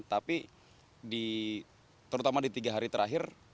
tapi terutama di tiga hari terakhir